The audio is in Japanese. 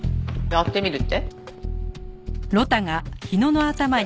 やってみるって？